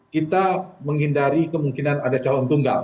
kita menghindari kemungkinan ada calon tunggal